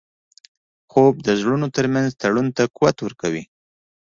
خوب د زړونو ترمنځ تړون ته قوت ورکوي